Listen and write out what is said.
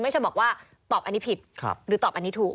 ไม่ใช่บอกว่าตอบอันนี้ผิดหรือตอบอันนี้ถูก